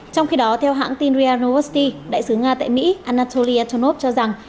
trong khi đó theo hãng tin ria novosti đại sứ nga tại mỹ anatoly antonov cho rằng